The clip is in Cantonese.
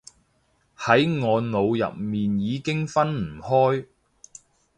喺我腦入面已經分唔開